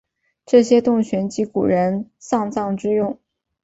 这些洞穴即古人丧葬之用。